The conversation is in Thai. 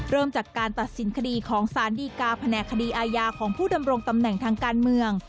เริ่มจากการตัดสินคดีของสารดีกาแผนกคดีอาญาของผู้ดำรงตำแหน่งทางการเมือง